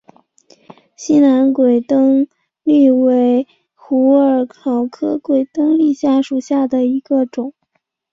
西南鬼灯檠为虎耳草科鬼灯檠属下的一个种。